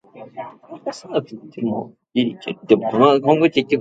It regularly organises and holds competitions for both dinghies as well as keelboats.